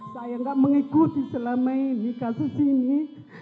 saya nggak mengikuti selama ini kasus ini